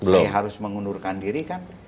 saya harus mengundurkan diri